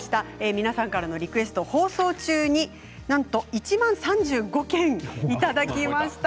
皆さんからのリクエスト放送中に、なんと１万３５件いただきました。